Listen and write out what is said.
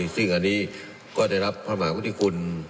ซึ่งอันนี้ก็จะรับพระหมาคุณที่คุณ